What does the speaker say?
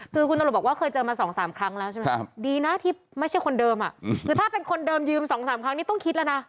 คือคุณตำรวจบอกว่าเคยเจอมา๒๓ครั้งแล้วใช่ไหมดีนะที่ไม่ใช่คนเดิมคือถ้าเป็นคนเดิมยืม๒๓ครั้งนี้ต้องคิดแล้วนะ